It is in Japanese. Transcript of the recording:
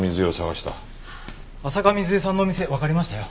浅香水絵さんのお店わかりましたよ。